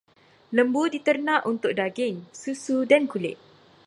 Lembu diternak untuk daging, susu dan kulit.